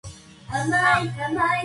パン